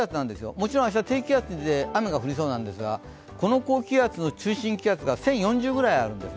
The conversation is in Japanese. もちろん、明日低気圧で雨が降りそうなんですが、この高気圧の中心気圧が１０４０ぐらいあるんです。